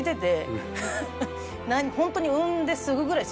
ホントに産んですぐぐらいです